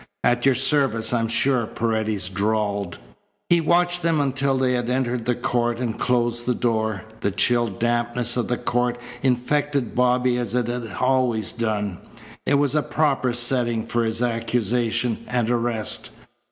"At your service, I'm sure," Paredes drawled. He watched them until they had entered the court and closed the door. The chill dampness of the court infected Bobby as it had always done. It was a proper setting for his accusation and arrest.